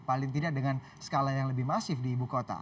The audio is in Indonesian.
paling tidak dengan skala yang lebih masif di ibu kota